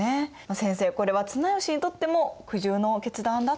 先生これは綱吉にとっても苦渋の決断だったんでしょうか？